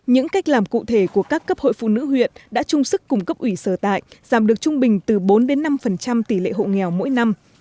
những cách làm cụ thể của các cấp hội phụ nữ huyện đã chung sức cung cấp ủy sở tại giảm được trung bình từ bốn năm tỷ lệ hộ nghèo mỗi năm